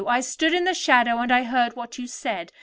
I stood in the shadow, and I heard what you said.